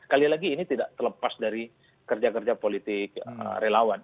sekali lagi ini tidak terlepas dari kerja kerja politik relawan